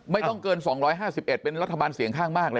ไม่ต้องเกิน๒๕๑เป็นรัฐบาลเสียงข้างมากเลย